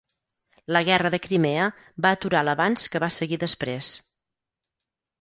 La guerra de Crimea va aturar l'avanç que va seguir després.